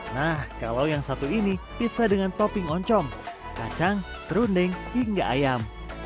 nah kalau yang satu ini pizza dengan topping oncom kacang serundeng hingga ayam